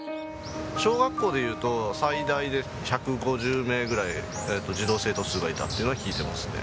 小学校でいうと最大で１５０名ぐらい児童生徒数がいたっていうのは聞いてますね。